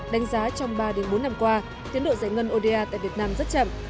đánh giá trong ba bốn năm qua tiến độ giải ngân oda tại việt nam rất chậm